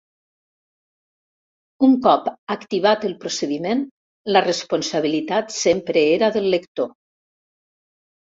Un cop activat el procediment, la responsabilitat sempre era del lector.